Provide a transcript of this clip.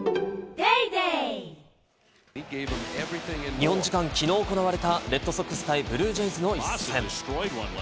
日本時間きのう行われたレッドソックス対ブルージェイズの一戦。